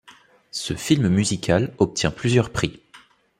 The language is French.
Ce film musical obtient plusieurs prix.